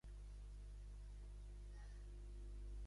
A créixer a Sikeston, Missouri.